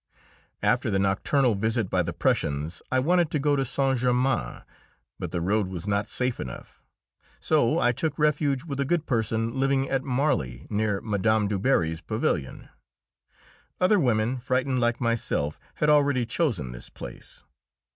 After the nocturnal visit by the Prussians I wanted to go to Saint Germain, but the road was not safe enough, so I took refuge with a good person living at Marly, near Mme. Du Barry's pavilion. Other women, frightened like myself, had already chosen this place.